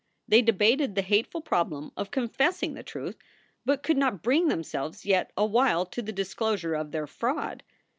They debated the hateful problem of confessing the truth, but could not bring themselves yet awhile to the disclosure of their fraud.